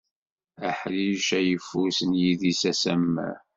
Aḥric ayeffus n yidis asamar.